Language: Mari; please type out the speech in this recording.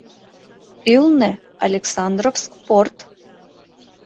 Ӱлнӧ — Александровск порт.